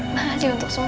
makasih untuk semua aja